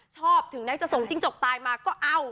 ชอบถึงน่าจะส่งติ๊งจกตายก็เอ้า